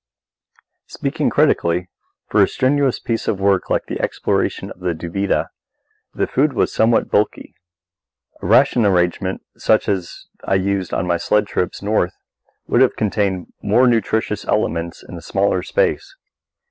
Speaking critically, for a strenuous piece of work like the exploration of the Duvida, the food was somewhat bulky. A ration arrangement such as I used on my sledge trips North would have contained more nutritious elements in a smaller space.